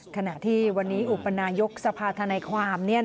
ขณะที่วันนี้อุปนายกสภาธนายความ